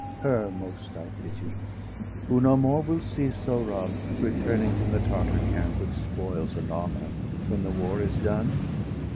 Her most I pity, who no more will see Sohrab returning from the Tartar camp, With spoils and honour, when the war is done.